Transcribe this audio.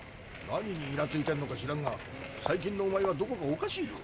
何にイラついてるのか知らんが最近のおまえはどこかおかしいぞ。